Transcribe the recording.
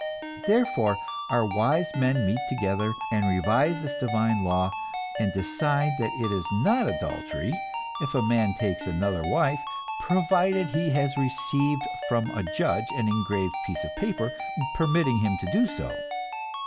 Therefore, our wise men meet together, and revise this divine law, and decide that it is not adultery if a man takes another wife, provided he has received from a judge an engraved piece of paper permitting him to do so.